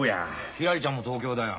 ひらりちゃんも東京だよ。